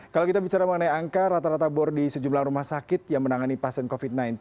kalau kita bicara mengenai angka rata rata bor di sejumlah rumah sakit yang menangani pasien covid sembilan belas